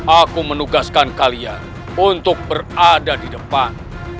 aku menugaskan kalian untuk berada di depan